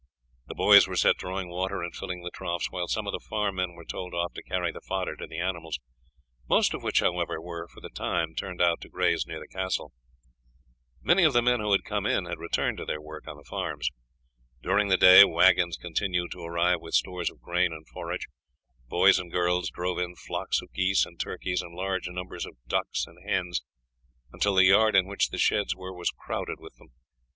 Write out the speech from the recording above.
The boys were set drawing water and filling the troughs, while some of the farm men were told off to carry the fodder to the animals, most of which, however, were for the time turned out to graze near the castle. Many of the men who had come in had returned to their work on the farms. During the day waggons continued to arrive with stores of grain and forage; boys and girls drove in flocks of geese and turkeys and large numbers of ducks and hens, until the yard in which the sheds were was crowded with them.